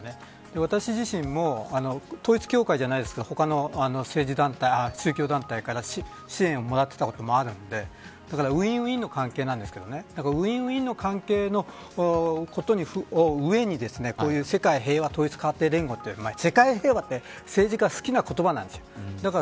私自身も統一教会じゃないですが他の宗教団体から支援をもらっていたこともあるのでウィンウィンの関係なんですけどウィンウィンの関係な上に世界平和統一家庭連合って世界平和っていうのは政治家が好きな言葉なんです。